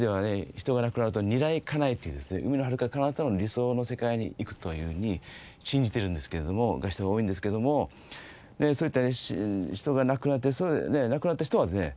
人が亡くなるとニライカナイという海のはるかかなたの理想の世界に行くというふうに信じているんですけどもそういう人が多いんですけどもそういった人が亡くなって亡くなった人はですね